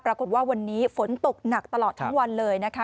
ปรากฏว่าวันนี้ฝนตกหนักตลอดทั้งวันเลยนะคะ